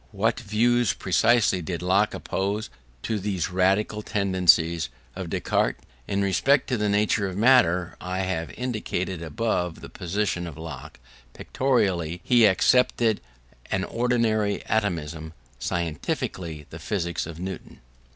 What views precisely did Locke oppose to these radical tendencies of Descartes? In respect to the nature of matter, I have indicated above the position of Locke: pictorially he accepted an ordinary atomism; scientifically, the physics of Newton.